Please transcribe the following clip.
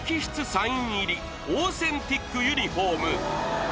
サイン入りオーセンティックユニフォーム